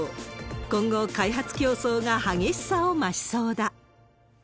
今後、開発競争が激しさを増しそうだ。